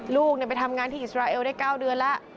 ลูกไปทำงานที่อิสราเอลได้๙เดือนแล้ว